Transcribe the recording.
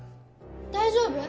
大丈夫？